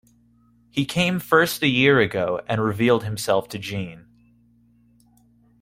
He came first a year ago, and revealed himself to Jeanne.